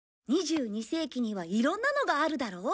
２２世紀にはいろんなのがあるだろ？